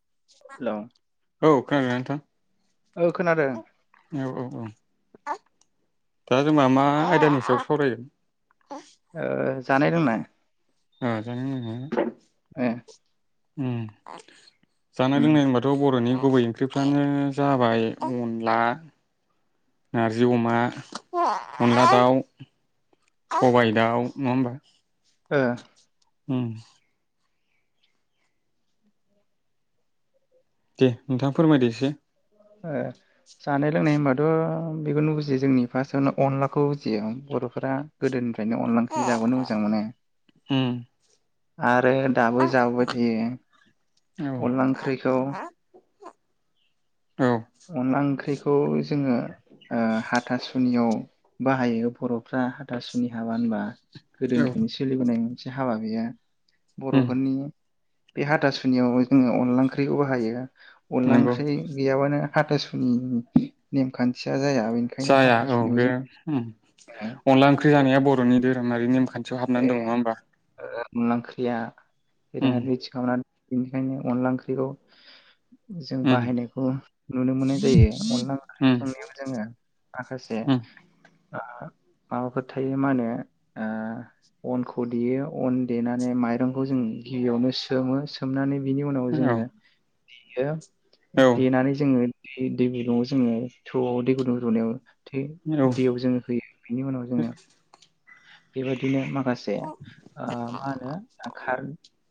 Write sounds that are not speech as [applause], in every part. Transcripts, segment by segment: [unintelligible] Hello औ खोनादोना नोंथां? औ खोनादों। औ औ औ [unintelligible] दा जोंहा मा आयदानि सायाव सावरायगोन। ओ। जानाय लोंनाय। आ जानाय लोंनाय [inaudible] ओ। उम। जानाय उम लोंनाय होनबाथ' बर'नि गुबै ओंख्रिफ्रानो जाबाय अनला, नारजि अमा, अनला दाउ, सबायाइ दाउ नङा होमबा? ओ। ओम। दे नोंथां फोरमायदो एसे ओ जानाय लोंनाय होनबाथ' बेखौनो बुजियो जोंनि फार्स्टआवनो अनलाखौ बुजियो बर'फोरा गोदोनि फायनो अनला ओंख्रि जाबोनो मोजां मोनो। आ उम आरो दाबो जाबोबाय थायो औ अनला ओंख्रिखौ। औ अनला ओंख्रिख खौ जोङो ओ हाथासुनियाव बाहायो बर'फ्रा हाथासुनि हाबा होनबा गोदोनिफ्रायनो सोलिबोनाय मोनसे हाबा बियो। उम बर'फोरनि बे हाथा सुनियाव जोङो अनला ओंख्रिखौ बाहायो। अनला नंगौ ओंख्रि गैयाबानो हाथासुनि नेमखान्थि। जाया औ बे उम । जोङो अनला ओंख्रि जानाया बर'नि धोरोमारि । नेमखान थि हाबनानै ए दं नङा होमबा । अनला ओंख्रिया । बेराद मिथि खावना बेनिखायनो अनला ओंख्रिखौ जों उम बाहायनायखौ नुनो मोननाय जायो अनला उम ओंख्रि संनायाव जोङो माखासे [unintelligible] माबाफोर थायो मा होनो ओ अनखौ देयो अन देनानै माइरंखौ जों गिबियावनो सोमो सोमनानै बिनि उनाव उम औ जोङो देयी औ देनानै जोङो दै दैगुदुंआव जोङो थौ'आव दै गुदुं रुनायाव थै औ दैयाव जोङो होयो बेनि उनाव जोङो बेबायदिनो मा खासे ओ मा होनो खार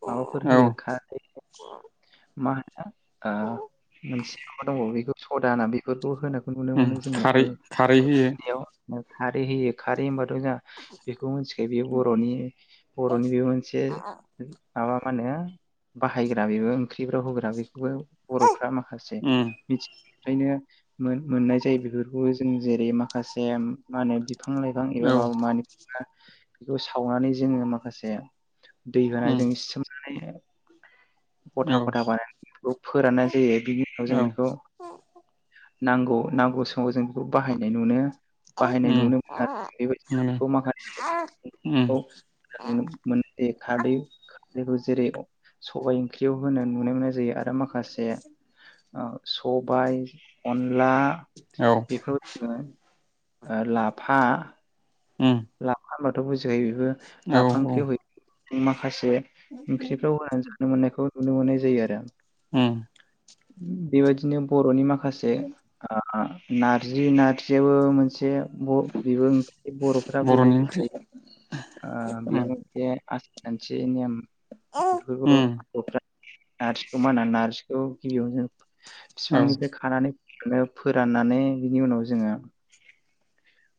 माबाफोर होयो औ खारैफोर मा होनो? आ मोनसे माबा दं बेखौ सदा ना बेफोरखौ होनो उम खारै -खारै होयो । याव खारै होयो खारै होनबा थ जाहा बेखौ मिथिखायो बे बर'नि- बर'नि बे मोनसे माबा मा होनो बाहायग्रा बेबो फख्रिफ्राव होग्रा बेखौबो बर'फ्रा माखासे उम मिथि बेखायनो मोनमोननाय जायो बेफोरखौबो जों जेरै माखासे मा होनो बि फां लाइफां एबा औ माबा मानिख [unintelligible] बेखौ सावनानै जोङो माखासे दै होना उम जों इ सोमनानै औ गथा- गथा बानायनानै बेखौ फोराननाय जायो बिनि उनाव जों बेखौ नांगौ- नांगौ समाव जों बेखौ बाहाय नुनो उम मोनो बाहायनाय उम औ उम नुनो मोन बे माखासे [unintelligible] जेरै सबाय ओंख्रि आव होनो नुनो मोननाय जायो आरो माखासे माखासे ओ सबाय अनला बेखौ लाफा लाफा थ बुजिखायो बेबो औ लाफा ओंख्रि मा। माखासे ओंख्रिफ्राव होनानै जानो मोननायखौ नुनो मोननाय जायो आरो आं। उम बेबादिनो बर'नि माखासे आ नारजि नारजियाबो मोनसे ब' बिबो बर'नि ओंख्रि उम [unintelligible] मोनसे नेम [unintelligible] उम नार्जि खौ मा होनो नार्जि औ गिबियावनो औ बिफांनिफ्राय खानानै [unintelligible] फोराननानै बिनि उनाव जोङो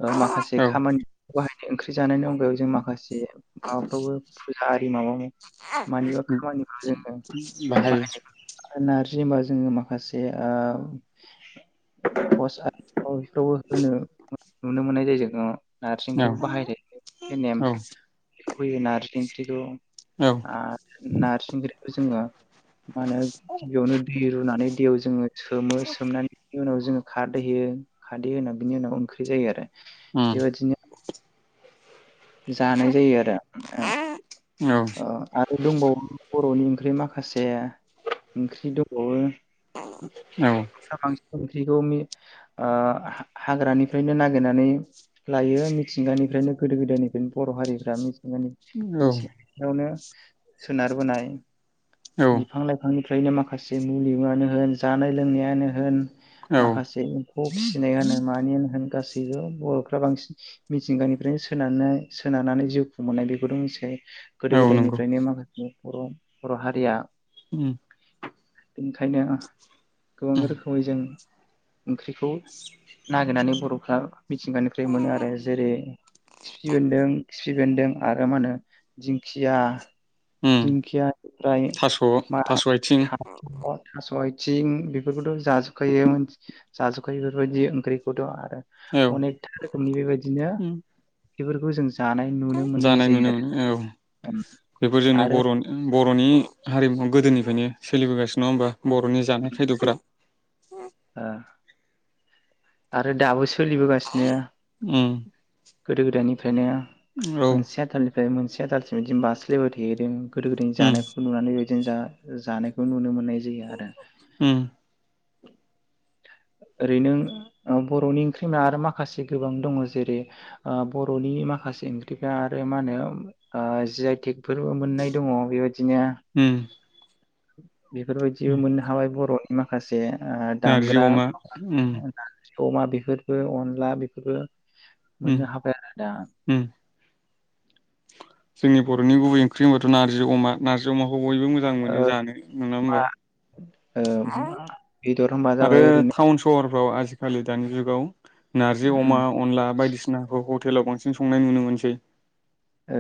उह माखासे औ खामानि बाहाय [unintelligible] जानायनि अनगायाव जों माखासे माबाफ्रावबो फुजा आरि माबायाव मानिबा खामानिखौ जोङो बाहायो बाहायनाय [unintelligible] जेन'बा जोङो माखासे भस आरि बेफोरावबो होनो नुनो मोननाय जायो नार्जि औ ओंख्रिखौ बाहायो बे नेम औ होयो नार्जि ओंख्रिखौ आरो नार्जि ओंख्रिखौ जोङो माहोनो गिबियावनो दै रुनानै दैयाव जोङो सोमो सोमनानै उनाव जोङो खारदै होयो खारदै होना बिनि उनाव बे जायो आरो। उम औ बेबादिनो जानाय जायो आरो उह आरो दंबावो बर'नि ओंख्रि माखासे माखासे ओंख्रि दंबावो औ बांसिन ओंख्रिखौ मि उह हा हाग्रानिफ्रायनो नागिरनानै लायो मिथिंगानिफ्रायनो गोदो गोदायनि बर' हारिफ्रा [unintelligible] सोनारबोनाय औ बिफां लाइफांनि फ्रायनो माखासे मुलिुआनो होन जानाय लोंनायानो होन औ औ माखासे एमफौ फिसिनायानो मानियानो होन गासै बियाव बर'फ्रा बांसिन मिथिंगानिफ्रायनो सोनारनो सोनारनानै जिउ खुंबोनाय बेखौथ' मोनथिखायो गोदो औ नंगौ गोदायनिफ्रायनो माखासे बर' बर' हारिआ उम ओंखायनो गोबां उम रोखोमै जों ओंख्रिखौ नागिरनानै बर' फ्रा मिथिंगानिफ्राय मोनो आरो जेरै खिफि बेन्दों खिफि बेन्दों आरो मा होनो दिंखिया उम दिंखिया निफ्राय थास' मा थास' आथिं थास' थास'आइ थिं बेफोरखौथ' जाजोबखायो जाजोबखायो बेफोरबायदि ओंख्रिखौथ' आरो औ अनेकथा रोखोमनि बेबायदिनो उम बेफोरखौ जों जानाय नुनो मोननाय जानाय जायो नुनो आरो मोनो औ ओम, बेफोर जोंनि आरो बर'नि ब बर'नि हारिमुवखौ गोदोनिफ्रायनो सोलिबोगासिनो नङा होमबा बर'नि ओम, जानाय सै- खायद'फ्रा उम ओ, आरो दाबोसो सोलिबोगासिनो उम गोदो गोदायनिफ्रायनो औ मोनसेया आथालनि ओमफ्राय मोनसेया दालसिम बिदिनो बास्लायबो थादों गोदो गोदायनि उम जानायखौ नुनानै बिदिनो जा-जानायखौ नुनो मोननाय जायो आरो उम ओरैनो। औ बर'नि ओंख्रि होनबा आरो माखासे गोबां दङ जेरै बर'नि माखासे ओंख्रिफ्रा आरो मा होनो जि आइ टेक फोरबो मोननाय दङ बेबायदिनो। उम [inaudible] बेफोरबायदिबो उम मोननो हाबाय बर'। माखासे नारजि अमा ओम। नारजि अमा बेफोरबो अनला बेफोरबो। उम मोननो हाबाया दा उम जोंनि बर'नि गुबै ओंख्रि होनबाथ' नारजि अमा नारज अमाखौ बयबो मोजां मोनो जानो नङा होमबा? ओ बेदर होनबा आरो जाबाय ओरैनो टाउन सहरफ्राव आजि खालि दानि जुगाव नारजि उम अमा अनला बायदिसिनाखौ भट हटेलाव बांसिन संनाय नुनो मोनसै। ओ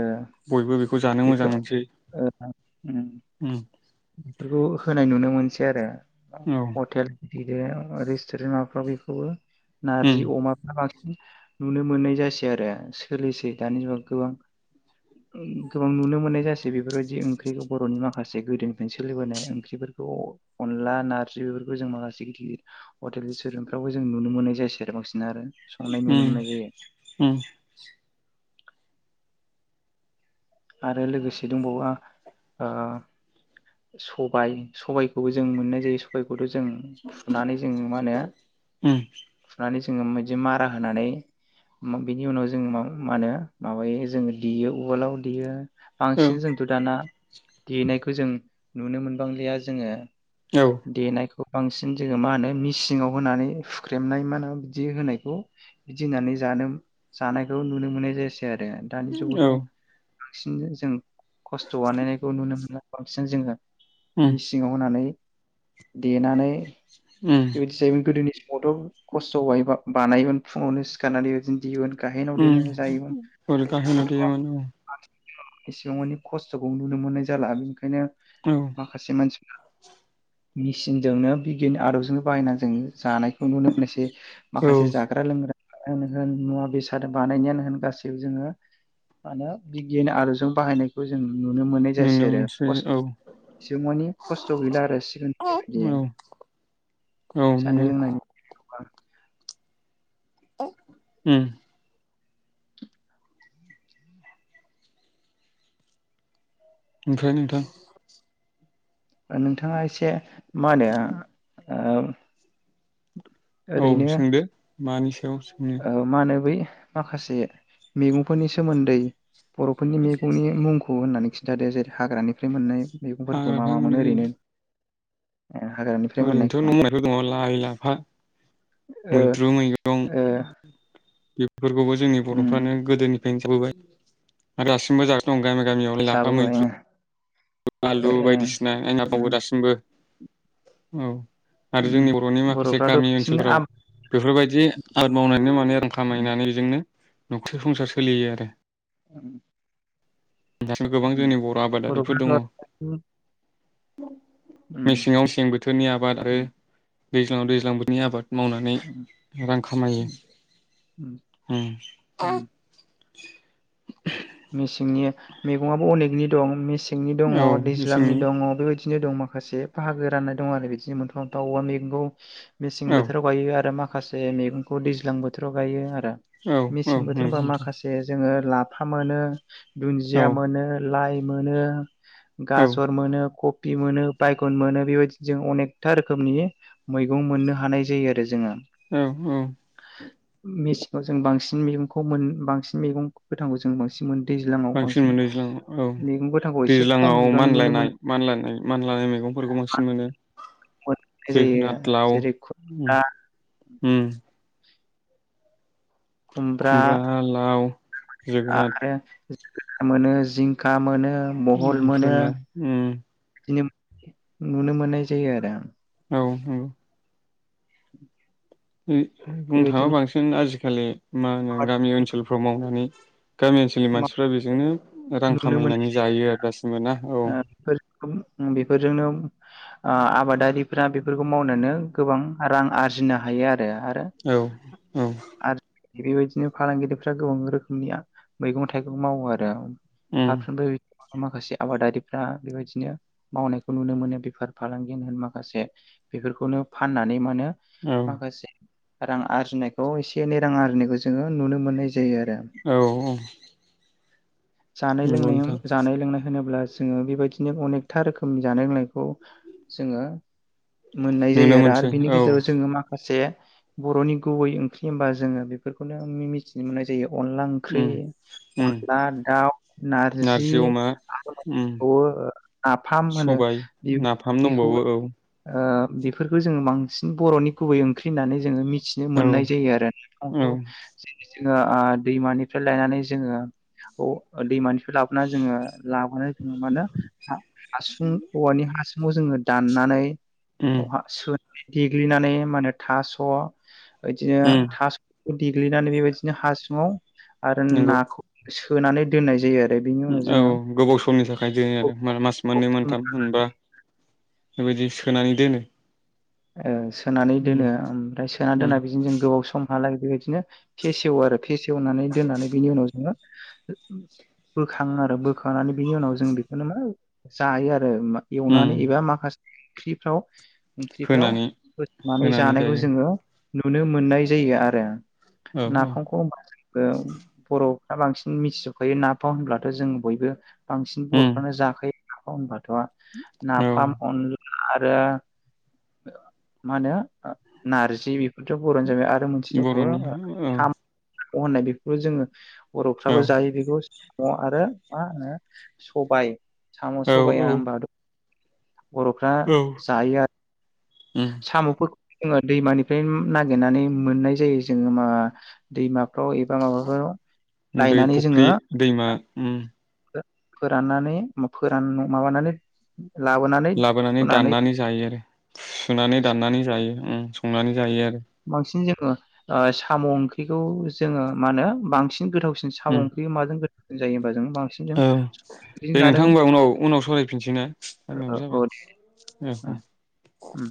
बयबो बेखौ जानो बेफोर मोजां मोनसै। इफोरखौ होनाय नुनो मोनसै आरो। औ अथेल गदेर रेस्टुरेन्ट माबाफ्राव बेखौबो। उम नारजि अमाफ्रा बांसि नुनो मोननाय जासै आरो सोलिसै दानि जुगाव गोबां गोबां नुनो मोननाय जासै बेफोरबायदि ओंख्रिखौ बर'नि माखासे गोदो। ओनो सोलिबोनाय ओंख्रिफोरखौ अनला नारजि बेफोरखौ जों माखासे गिदिर गिदिर हटेल रेस्टुरेन्टफ्रावबो जों नुनो मोननाय जायासै आरो बांसिन आरो। संनाय नुनो ओम मोननाय जायो औ। आरो लोगोसे दंबावा ओ। सबाय सबायखौबो जों मोननाय जायो सबाय। जों फुनानै जों मा उम होनो? जोङो बिदि मारा होनानै बिनि उनाव जोंङो मा होनो माबायो जोङो देयो उवालाव देयो। बांसिन जोंथ' दाना देनायखौ जों। नुनो मोनबांलिया जोङो। औ दे ना। बांसिन जोङो मा होनो? मिसिंवाव होनानै हुख्रेमनाय मा होनो बिदि होनायखौ बिदि होननानै जानो जानायखौ नुनो मोननाय जायासै। आरो दानि औ जुगावथ'। बिसिनोनो जों खस्थ' बनायखौ नुनो मोनो। बांसिन जोंङो उम मिसिंवाव होनानै देनानै उम बिदिसो जायोमोन गोदोनि बथ' खस्थ'यैहाय बानायोमोन फुङावनो सिखारनानै बिदिनो दियोमोन उम गाहेनाव जुगावथ' देयोमोन एसेबां मानानि खस्थ'खौ नुनो मोननाय जाला ओखायनो औ माखासे मानसिफ्रा मेसिनजोंनो बिगियाननि आदबजों बायना जोङो जानायखौ नुनो मोनोसै औ माखासे जाग्रा लोंग्रा आनो होन मुवा बेसाद बानायनायानो होन गासैबो जोंङो मा नो बिगियान आदबजों बाहायनायखौ जों नुनो मोननाय नुनो जायासै आरो मोनसै खस्थ' औ इसेमानि खस्थ' गैला आरो औ सिगांनिफ्रायबायदि जानाय नंगौ लोंनायनि बेलायाव बा उम ओमफ्राय नोंथां नोंथाङा एसे मा होनो ओ औ सोंदो मानिस औ मा होनो बै माखासे मैगंफोरनि सोमोन्दै बर'फोरनि मैगंनि मुंखौ खौ होननानै खिन्थादो जेरै हाग्रानि फ्राय मोननाय मैगंफोरखौ मा मा मोनो ओरैनो ओ हाग्रानिफ्राय ओरैनोथ' मोननायखौ न'नायथ दङ लाइ लाफा ओ मैद्रु मैगं ओ बेफोरखौबो जोंनि उम बर'फ्रानो गोदोनि जों जाबोबाय आरो दासिबो जागो दं गामि गामियाव लाफा जाबोबाय मैद्रु ओ आलु ओ बायदिसिना आयनाफावबावो उम दासिमबो औ आरो उम जोंनि बर'नि माखासे बर'फ्राथ' गामि बांसिन ओनसोलफोराव आबाद बेफोरबायदि आबाद मावनानैनो मानि रां उम खामायनानै बेजोंनो न'थि संसार सोलियो आरो उम दासिम गोबां उम जोंनि बर' आबादारिफोर दङ बर'फ्राथ' उम उम मेसेङाव मसें बोथोरनि आबाद आरो उम दैज्लङाव दैज्लां बोथोरनि आबाद मावनानै उम रां खामायो उम उम [inaudible] उम मेसेंनि मैगङा बो अनेकनि दं मेसें सेंनि दङ औ दैज्लांनि मेसेंनि दङ बेबायदि बिदिनो दं माखासे बाहागो राननाय दं आरो बिदिनो मोनफा मोनफा [unintelligible] मेसें औ बोथोराव गायो आरो माखा माखासे मैगंखौ दैज्लां बोथोराव गायो आ आ औ औ मेसें बोथोर नंगौ होमबा नोंथां माखासे जोङो लाब मोनो औ दुन्जिया मोनो लाइ मोनो औ गाजर मोनो क- बि मोनो बायगन मोनो बेबायदि जों अनेकथा रोखोमनि मैगं मोननो हानाय जायो आरो जोङो औ औ मेस- खौ जों बांसिन मैगंखौ मोन बांसिन मैगं गोथांखौ जों बांसिन मोन बांसिन मोनो दैज्लांङाव औ गोथांखौ एसे खम दैज्लांङाव बिबांनि नुनो मोन मानलायनाय मानलायनाय मानलायनाय मैगंफोरखौ बांसिन मोनो मोननाय जायो जोगोनाथ लाव जेरै उम खुमब्रा उम खुमब्रा लाव जोगोनाद आरो [unintelligible] मोनो जिंखा मोनो बहल उम मोनो फोरला उम बिदिनो नुनो मोननाय जायो आरो आं औ नंगौ [unintelligible] उम बुंनो बेबायदिनो थाङोबा बांसिन आजिखालि मा होनो गामि ओनसोलफ्राव मावनानै गामि ओनसोलनि मानसिफ्रा बेजोंनो रां नुनो मोनो खामायनानै जायो आरो दासिमबो ना औ [unintelligible] बेफोरजोंनो ओ आबादारिफ्रा बेफोरखौ मावनोनो गोबां रां आरजिनो हायो आरो औ औ। आरो बेबायदिनो फालांगिरिफ्रा गोबां रोखोमनिया मैगं थाइगं मावो आरो उम [unintelligible] माखासे आबादारिफ्रा बेबायदिनो मावनायखौ नुनो मोनो बेफार फालांगि होन माखासे बेफोरखौनो फाननानै मोनो। औ माखासे रां आरजिनायखौ एसे एनै रां आरजिनायखौ जोङो नुनो मोननाय जा औ औ जानाय नंगौ लोंनायोम नोंथां जानाय लोंनाय होनोब्ला जोङो बेबायदिनो अनेकथा रोखोमनि जानाय लोंनायखौ जोङो मोननाय जायो नुनो आरो आरो मोनसै बिनि औ गेजेराव जोङो माखासे बर'नि गुबै ओंख्रि होमबा जोङो बेफोरखौनो मि मिथिनो मोननाय जायो अनला ओंख्रि उम उम अनला दाउ नारजि आरो मोनसे उम दंबावयो नाफाम होनो सबाय बेयो नाफाम बेखौ दंबावो औ ओ बेफोरखौ जोङो बांसिन बर'नि गुबै ओंख्रि होननानै जोङो मिथि थिनो औ मोननाय जायो आरो औ नाफखौ जेरै जोङो ओ दैमानिफ्राय लायनानै जोङो अ दैमानिफ्राय लाबोनानै जोङो लाबानो जों मा होनो हासुं औवानि हासुंआव जोङो दाननानै उम अहा सो देग्लिनानै मा होनो थास' बिदिनो उम थास देग्लिनानै बेबायदिनो हासुङाव आरो नंगौ ना सोनानै दोननाय जायो आरो बेनि उनाव जोङो औ गोबाव समनि थाखाय जोंङो मास मोननै मोनथाम मोनबा बेबायदि सोनानै दोनो ओ सोनानै उम दोनो ओमफ्राय सोना उम दोना बिदिनो जों गोबाव सम हालागै बेबायदिनो फेसेवो आरो फेसेवनानै दोननानै बेनि उनाव जोङो बोखाङो आरो बोखांनानै बिनि उनाव जों बेखौनो मा जायो आरो आरो उम एवनानै एबा माखासे ओंख्रिफ्राव फिख्रिफ्राव होनानै फोसनानै होनानै जानायखौ जायो जोङो । नुनो मोननाय जायो आरो। औ औ नाफामखौ बांसिनबो बर' फोरा बांसिन मिथिजोबखायो ना फाव होनब्लाथ' जों बयबो। बांसिन उम बर'फ्रानो जाखायो। [inaudible] [unintelligible] औ नाफाम अन आरो ओ मा होनो ओ नारजि बेफोरथ' बर'नो जाग्रा आ रो मोनसे दंबावो बर'नि ओ औ सा म' होननाय बेफोरखौ जोङो औ बर'फ्राबो जायो बेखौ सा म' आरो मा होनो सबाइ साम' औ सबाइाया औ होमबाथ' बर'फ्रा औ जायो आरो। उम साम'फोरखौ जोङो दैमानिफ्राय नागिरनानै मोननाय जायो जोङो मा दैमा फ्राव एबा माबाखौ दै लायनानै फुख्रि जोङो दैमा उम फोराननानै फोरान माबानानै लाबोनानै लाबोनानै हुनानै दाननानै जायो आरो। सुनानै दाननानै जायो उम। संनानै जायो आ बांसिन जो ङो ओ साम' ओंख्रिखौ जोङो मा होनो बांसिन गोथाव सिन साम' उम ओंख्रि माजों गो होनजायोम औ दे नोंथां ओमबा उनाव उनाव सावरायफिनसै ना टाइमाबो औ जाबाय। दे औ। उम